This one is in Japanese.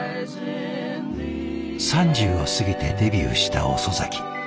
３０を過ぎてデビューした遅咲き。